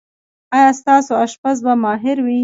ایا ستاسو اشپز به ماهر وي؟